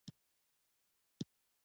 د افغانستان په باب خپرونې نه کولې.